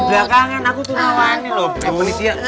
aku belakangan aku tuh namanya loh